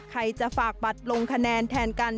ใครจะฝากบัตรลงคะแนนแทนกัน